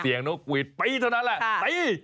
เสียงนกวิทไปเท่านั้นแหละตี